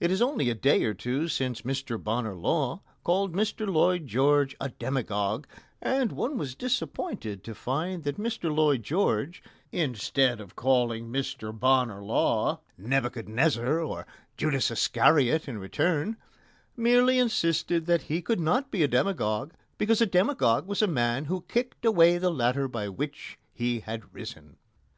It is only a day or two since Mr Bonar Law called Mr Lloyd George a demagogue, and one was disappointed to find that Mr Lloyd George, instead of calling Mr Bonar Law Nebuchadnezzar or Judas Iscariot in return, merely insisted that he could not be a demagogue, because a demagogue was a man who kicked away the ladder by which he had risen.